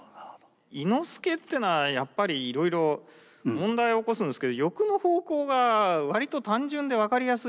伊之助ってのはやっぱりいろいろ問題を起こすんですけど欲の方向が割と単純で分かりやすいわけです。